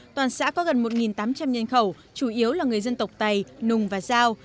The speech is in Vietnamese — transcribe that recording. toàn xã có gần một tám trăm linh nhân khẩu chủ yếu là người dân tộc tày nùng và giao